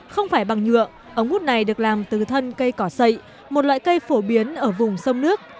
không phải bằng nhựa ống hút này được làm từ thân cây cỏ sậy một loại cây phổ biến ở vùng sông nước